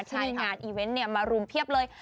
ในงานอีเวนต์มารุมเพียบเลย